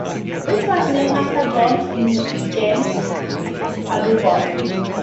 It was named after John James Audubon.